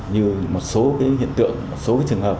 như một số hiện tượng một số trường hợp